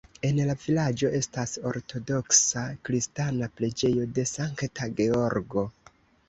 En la vilaĝo estas ortodoksa kristana preĝejo de Sankta Georgo.